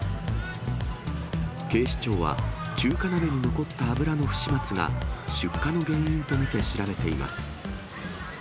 警視庁は、中華鍋に残った油の不始末が、出火の原因と見て調べています。